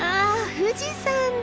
富士山だ！